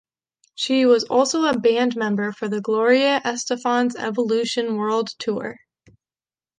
She was also a band member for Gloria Estefan's Evolution World Tour.